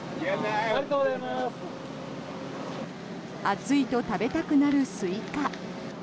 暑いと食べたくなるスイカ。